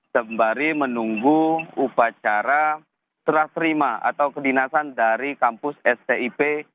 sembari menunggu upacara serah terima atau kedinasan dari kampus stip